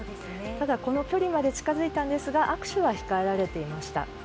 ただ、この距離まで近づいたんですが握手は控えられていました。